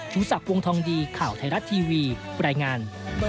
ชูศักดิ์วงทองดีข่าวไทยรัฐทีวีรายงาน